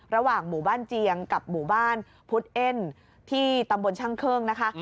ระหว่างหมู่บ้านเจียงกับหมู่บ้านพุทธเอ็นที่ตำบลช่างเครื่องนะคะ